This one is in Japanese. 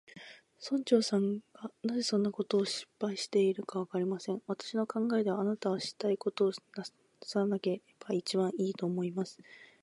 村長さんがなぜそんなことを心配されるのか、わかりません。私の考えでは、あなたはしたいことをなさればいちばんいい、と思います。